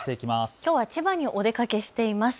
きょうは千葉にお出かけしていますね。